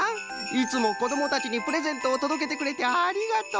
いつもこどもたちにプレゼントをとどけてくれてありがとう。